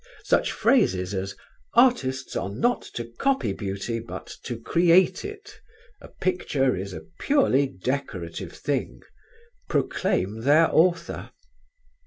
Such phrases as "artists are not to copy beauty but to create it ... a picture is a purely decorative thing," proclaim their author.